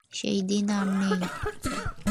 সেই দিন আর নেই।